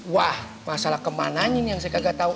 wah masalah kemananya ini yang saya kagak tahu